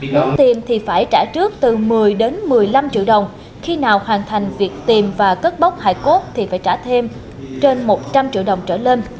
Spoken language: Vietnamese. muốn tiền thì phải trả trước từ một mươi đến một mươi năm triệu đồng khi nào hoàn thành việc tìm và cất bóc hải cốt thì phải trả thêm trên một trăm linh triệu đồng trở lên